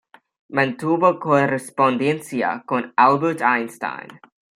Mantuvo correspondencia con Albert Einstein.